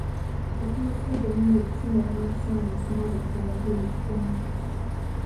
Bafuna ssente nnyingi okusinga bannasayansi n'abantu abakulu mu ggwanga.